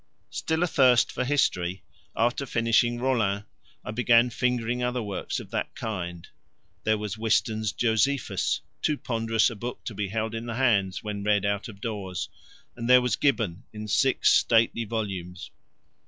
Still athirst for history, after finishing Rollin I began fingering other works of that kind: there was Whiston's Josephus, too ponderous a book to be held in the hands when read out of doors; and there was Gibbon in six stately volumes.